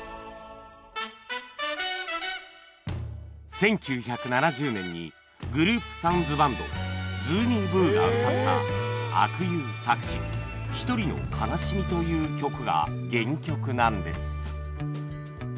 １９７０年にグループサウンズバンドズー・ニー・ヴーが歌った阿久悠作詞『ひとりの悲しみ』という曲が原曲なんです